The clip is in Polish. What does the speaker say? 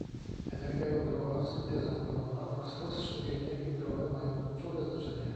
Energia jądrowa, synteza jądrowa oraz rozszczepienie jądrowe mają kluczowe znaczenie